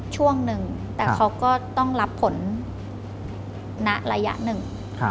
ช่วงหนึ่งแต่เขาก็ต้องรับผลณระยะหนึ่ง